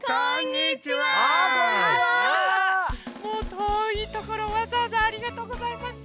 もうとおいところわざわざありがとうございます。